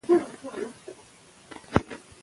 هغه وویل چې خلک راغلي وو.